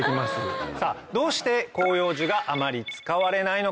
さぁどうして広葉樹があまり使われないのか。